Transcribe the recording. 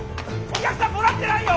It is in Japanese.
お客さんもらってないよ！